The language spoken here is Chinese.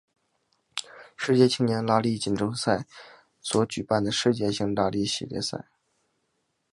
世界青年拉力锦标赛所举办的世界性拉力系列赛。